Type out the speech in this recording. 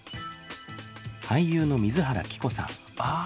俳優の水原希子さん